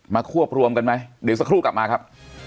ขอบความร่วมกันไหมเดี๋ยวทุกคนกลับมาครับ